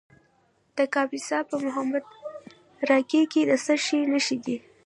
د کاپیسا په محمود راقي کې د څه شي نښې دي؟